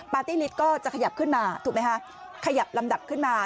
ปาร์ตี้ฤทธิ์ก็จะขยับขึ้นมาถูกไหมฮะขยับลำดับขึ้นมา